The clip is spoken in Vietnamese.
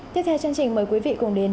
tiếp theo chương trình mời quý vị cùng đến